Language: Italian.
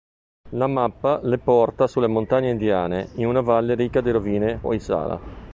La mappa le porta sulle montagne indiane, in una valle ricca di rovine Hoysala.